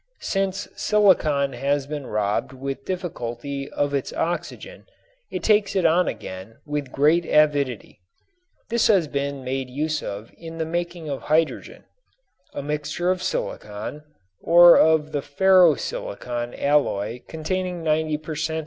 Since silicon has been robbed with difficulty of its oxygen it takes it on again with great avidity. This has been made use of in the making of hydrogen. A mixture of silicon (or of the ferro silicon alloy containing 90 per cent.